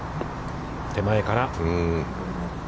手前から。